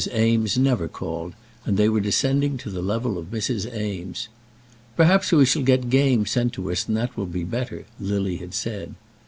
Eames never called, and they were descending to the level of Mrs. Eames. "Perhaps we shall get game sent to us, and that will be better," Lily had said.